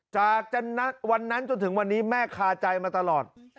จากวันนั้นจนถึงวันนี้แม่คาใจมาตลอด